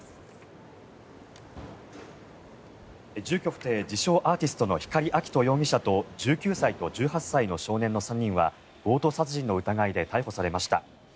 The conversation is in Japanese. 住居不定自称アーティストの光亮斗容疑者と１９歳と１８歳の少年の３人は強盗殺人の疑いで逮捕されました。